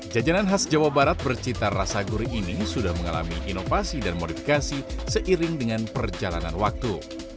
jajanan khas jawa barat bercita rasa gurih ini sudah mengalami inovasi dan modifikasi seiring dengan perjalanan waktu